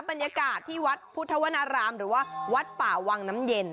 บรรยากาศที่วัดพุทธวนารามหรือว่าวัดป่าวังน้ำเย็น